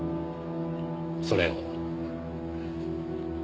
それを。